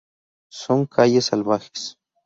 Son… calles salvajes.